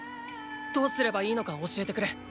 どうすればいいのか教えてくれ。